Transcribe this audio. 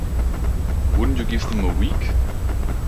Wouldn't you give them a week?